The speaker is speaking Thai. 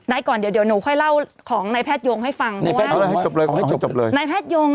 ได้ก่อนเดี๋ยวเดี๋ยวหนูค่อยเล่าของนายแพทยงให้ฟังเพราะว่านายแพทยง